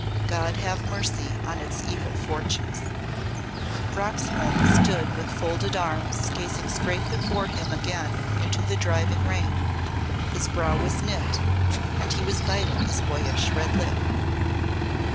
God have mercy on its evil fortunes." Young Roxholm stood with folded arms gazing straight before him again into the driving rain. His brow was knit, and he was biting his boyish red lip.